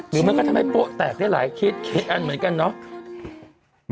มันก็ทำให้โป๊ะแตกได้หลายเคสอันเหมือนกันเนาะ